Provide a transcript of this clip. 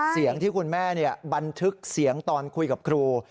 เสียงที่คุณแม่บันทึกเสียงตอนคุยกับครู